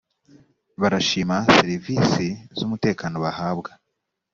barashima serivisi z’umutekano bahabwa